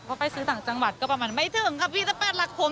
พอไปซื้อสั่งจังหวัดก็ประมาณไม่ถึงค่ะพี่จะแปดหลักผม